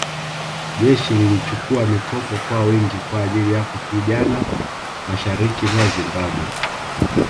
Jeshi lilichukua mikopo kwa wingi kwa ajili ya kupigana mashariki mwa Zimbabwe